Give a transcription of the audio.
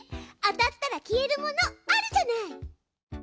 当たったら消えるものあるじゃない。